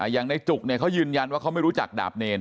อย่างในจุกเขายืนยันว่าเขาไม่รู้จักดาบเนร